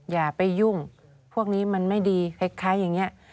อย่าไปยุ่งพวกนี้มันไม่ดีคล้ายอย่างนี้